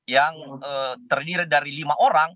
yang terdiri dari lima orang